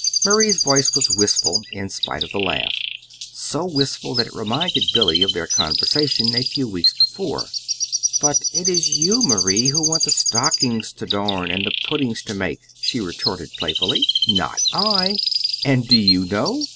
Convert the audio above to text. Marie's voice was wistful, in spite of the laugh so wistful that it reminded Billy of their conversation a few weeks before. "But it is you, Marie, who want the stockings to darn and the puddings to make," she retorted playfully. "Not I! And, do you know?